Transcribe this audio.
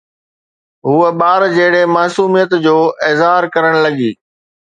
هوءَ ٻار جهڙي معصوميت جو اظهار ڪرڻ لڳي